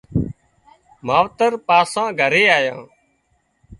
ماوترپاسان گھرِي آيان